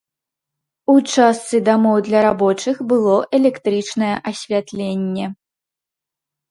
У частцы дамоў для рабочых было электрычнае асвятленне.